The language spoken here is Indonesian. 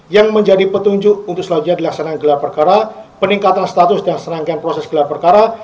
yang menjadi petunjuk untuk selanjutnya dilaksanakan gelar perkara peningkatan status dan serangkaian proses gelar perkara